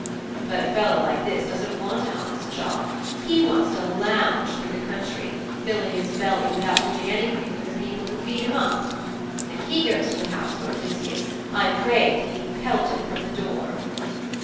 But a fellow like this doesn't want an honest job he wants to lounge through the country, filling his belly, without doing anything for the people who feed him up. If he goes to the house of Odysseus, I pray that he be pelted from the door.'